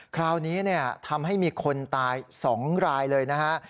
คราวนี้ทำให้มีคนตาย๒รายเลยนะฮะ